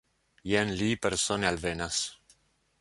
Jen li persone alvenas.